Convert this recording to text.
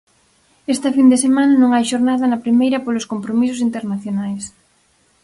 Esta fin de semana non hai xornada na primeira polos compromisos internacionais.